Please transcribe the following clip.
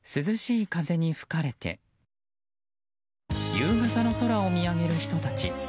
夕方の空を見上げる人たち。